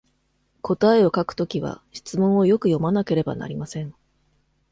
答えを書くときは、質問をよく読まなければなりません。